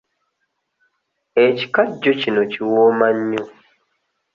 Ekikajjo kino kiwooma nnyo.